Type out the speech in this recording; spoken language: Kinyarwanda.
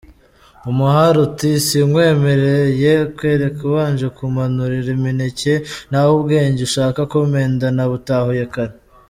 Umuhali uti “Sinkwemereye, kereka ubanje kumanurira imineke, naho ubwenge ushaka kumpenda nabutahuye kare.